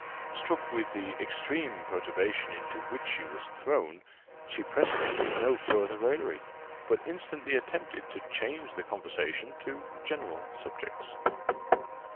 Struck with the extreme perturbation into which he was thrown, she pressed him with no farther raillery, but instantly attempted to change the conversation to general subjects.